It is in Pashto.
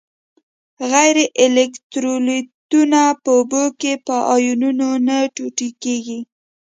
غیر الکترولیتونه په اوبو کې په آیونونو نه ټوټه کیږي.